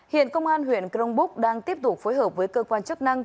hiện công an huyện cronbuk đang tiếp tục phối hợp với cơ quan chức năng